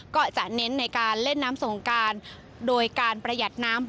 ก็จะเน้นในการเล่นน้ำสงการโดยการประหยัดน้ำ